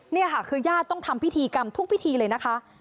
นี่ค่ะคือญาติต้องทำพิธีกรรมทุกพิธีเลยนะคะ